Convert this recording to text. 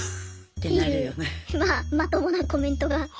っていうまあまともなコメントが。